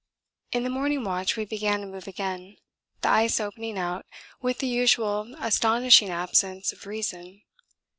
In the morning watch we began to move again, the ice opening out with the usual astonishing absence of reason.